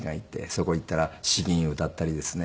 そこ行ったら詩吟歌ったりですね。